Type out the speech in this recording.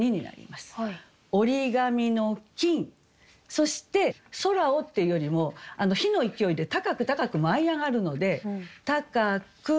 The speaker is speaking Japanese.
そして「宙を」っていうよりも火の勢いで高く高く舞い上がるので「高く」。